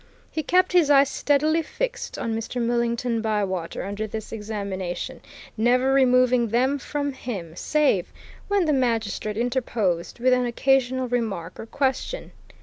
He kept his eyes steadily fixed on Mr. Millington Bywater under this examination, never removing them from him save when the magistrate interposed with an occasional remark or question.